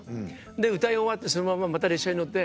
で歌い終わってそのまんままた列車に乗って。